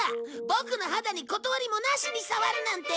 ボクの肌に断りもなしに触るなんて！